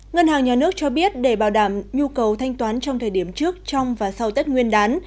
ngân hàng nhà nước cho biết để bảo đảm nhu cầu thanh toán trong thời điểm trước trong và sau tết nguyên đán